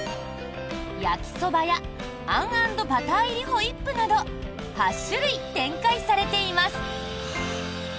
焼きそばやあん＆バター入りホイップなど８種類展開されています。